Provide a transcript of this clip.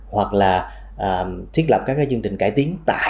hoặc là thiết lập các cái chương trình cải tiến tại ngay tại nhà máy